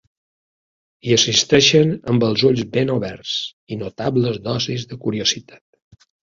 Hi assisteixen amb els ulls ben oberts i notables dosis de curiositat.